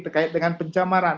terkait dengan pencamaran